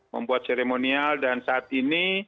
membuat seremonial dan saat ini